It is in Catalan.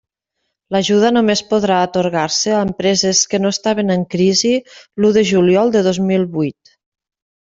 L'ajuda només podrà atorgar-se a empreses que no estaven en crisi l'u de juliol de dos mil huit.